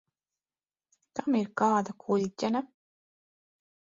Kam ir kāda kuļķene?